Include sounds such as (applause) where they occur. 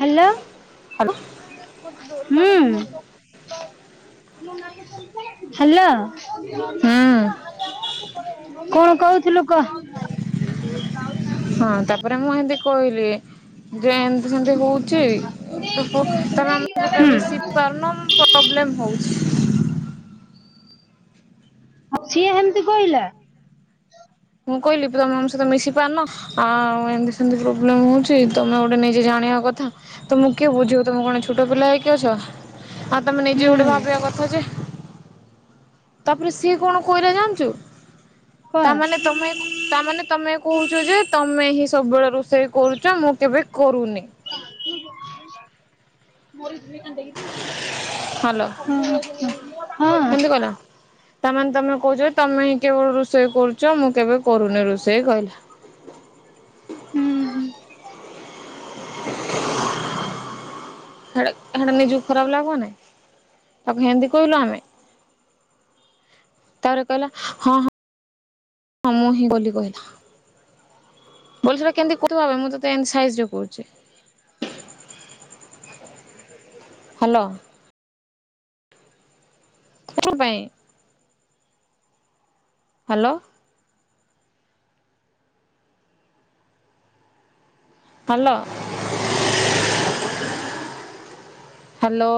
Hello (inaudible) hello ହୁଁ hello ହୁଁ (unintelligible) କଣ କହୁଥିଲୁ କ? ହଁ ତାପରେ ମୁଁ ଏତି କହିଲି ଯେ ଏମତି ସେମତି ହୁଁ ହଉଚି ତମେ ଆମ ସହିତ ମିଶି (unintelligible) ପ୍ରବ୍ଲେମ୍ ହଉଚି। ଆଉ ସିଏ ହେମିତି କହିଲା ମୁଁ କହିଲି ତମେ ମମ ସହିତ ମିଶି ପାରୁନ ଆଉ ଏମିତି ସେମିତି ପ୍ରୋବ୍ଲେମ ହଉଛି ତମେ ଗୋଟେ ନିଜେ ଜାଣିବା କଥା ତମଁ କିଏ ବୁଝିବ ତମ କଣ ଛୋଟ ପିଲା ହେଇକି ଅଛ? ଆଉ ତମେ ହୁଁ ନିଜେ ଗୋଟେ ଭାବିବା କଥା ଯେ ତାପରେ ସିଏ କଣ କହିଲା ଜାଣିଚୁ? କଣ? ତାମାନେ ତମେ (inaudible) ତାମାନେେ ତମେ କହଚ ଯେ, ତମେ ହିଁ ସବୁବେଳେ ରୋଷେଇ କରୁଚ ମୁଁ କେବେ କରୁନି କ (inaudible) ହଁ ହାଲୋ ହଁ କେମିତି କଲ? ହଁ। ତାମାନେ ତମେ କହଚ ଯେ, ତମେ ହିଁ କେବଳ ରୋଷେଇ କରୁଛ ମୁଁ କେବେ କରୁନି ରୋଷେଇ ଏହିକ ହୁଁ । ସେଟା ସେଟା ନିଜକୁ ଖରାପ ଲାଗବନାଇ ତାକୁ ହିନ୍ଦୀ କହିଲୁ ଆମେ? ତାପରେ କହିଲା ହଁ ହଁ ହଁ ମୁ ହିଁ ବୋଲି କହିଲା। ବୋଲେ ସେଟା କେନ୍ତି କହୁ ଥବ ଭାଵେ, ମୁଁ ତତେ ଏମତି ସାଇରେ କହୁଚି। ହାଲୋ। କଣ ପାଇଁ? ହାଲୋ। Hello hello.